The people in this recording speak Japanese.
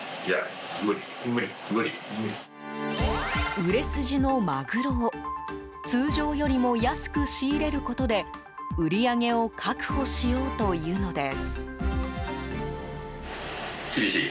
売れ筋のマグロを通常よりも安く仕入れることで売り上げを確保しようというのです。